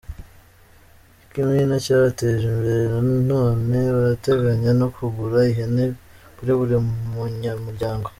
Ikimina cyabateje imbere none barateganya no kugura ihene kuri buri munyamuryango